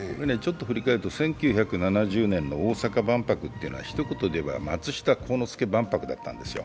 振り返ると、１９７０年の大阪万博というのは、ひと言で言えば松下幸之助万博だったんですよ。